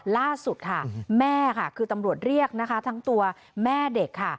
ล่าสุดค่ะแม่ค่ะคือตำรวจเรียกนะคะทั้งตัวแม่เด็กค่ะ